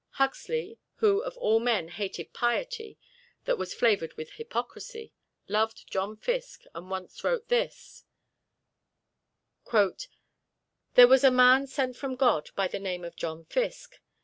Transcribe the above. Huxley, who of all men hated piety that was flavored with hypocrisy, loved John Fiske and once wrote this: "There was a man sent from God by the name of John Fiske.